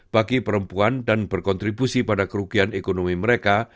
bagi perempuan dan berkontribusi pada kerugian ekonomi mereka